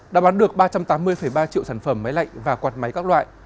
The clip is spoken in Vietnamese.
đã bán được ba trăm tám mươi ba triệu sản phẩm máy lạnh và quạt máy các loại